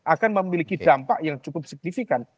akan memiliki dampak yang cukup signifikan